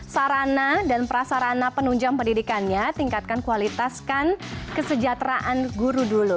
sarana dan prasarana penunjang pendidikannya tingkatkan kualitaskan kesejahteraan guru dulu